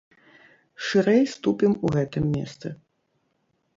Шырэй ступім у гэтым месцы.